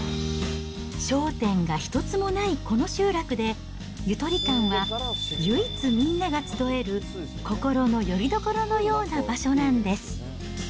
商店が一つもないこの集落で、ゆとり館は唯一みんなが集える、心のよりどころのような場所なんです。